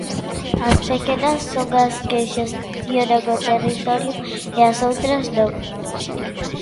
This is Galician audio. As pequenas son as que xestionan o territorio e as outras non.